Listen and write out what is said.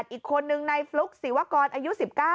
อีกคนนึงในฟลุ๊กศิวกรอายุ๑๙